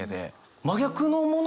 真逆のもの。